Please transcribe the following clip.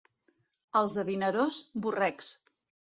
Els de Vinaròs, borrecs.